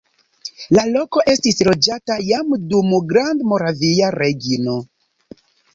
La loko estis loĝata jam dum Grandmoravia Regno.